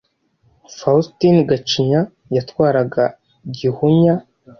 Faustini Gacinya yatwaraga Gihunya